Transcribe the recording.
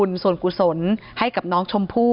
ประสงสามรูปนะคะนำสายสีขาวผูกข้อมือให้กับพ่อแม่ของน้องชมพู่